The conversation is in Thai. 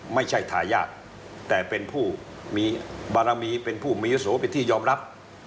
ไม่ใช่ทายาทแต่เป็นผู้มีบารมีเป็นผู้มีอาโสเป็นที่ยอมรับ